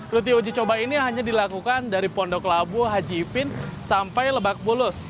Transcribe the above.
ruti uji coba ini hanya dilakukan dari pondok labu haji ipin sampai lebak bulus